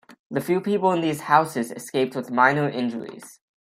The few people in these houses escaped with minor injuries.